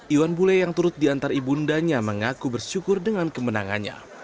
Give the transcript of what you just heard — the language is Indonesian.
iwan bule yang turut diantar ibu undanya mengaku bersyukur dengan kemenangannya